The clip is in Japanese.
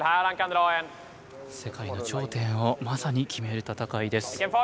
世界の頂点をまさに決める戦いです。